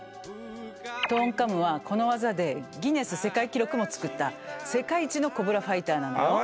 トーンカムはこの技でギネス世界記録も作った世界一のコブラファイターなのよ。